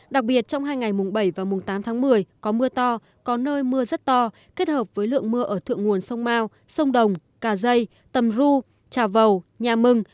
đặc biệt trong hai ngày mùng bảy và mùng tám tháng một mươi có mưa to có nơi mưa rất to kết hợp với lượng mưa ở thượng nguồn sông mau sông đồng cà dây tầm ru trà vầu nhà mừng